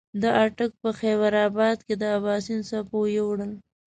د اټک په خېبر اباد کې د اباسین څپو یوړل.